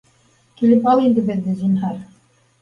Килеп ал инде беҙҙе, зинһар.